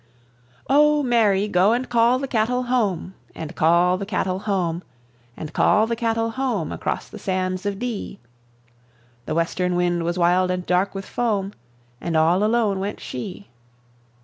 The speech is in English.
"O Mary, go and call the cattle home, And call the cattle home, And call the cattle home, Across the sands of Dee." The western wind was wild and dark with foam And all alone went she.